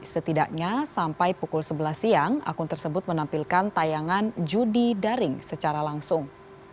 setidaknya sampai pukul sebelas siang akun tersebut menampilkan tayangan judi daring secara langsung